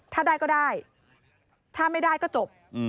ถ้าได้ก็ได้ถ้าไม่ได้ก็จบ